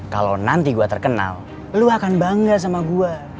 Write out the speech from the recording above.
kalau nanti gue terkenal lu akan bangga sama gue